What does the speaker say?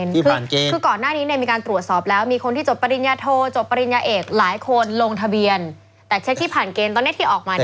ที่พันเกณฑ์